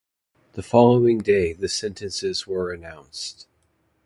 The following day the sentences were announced.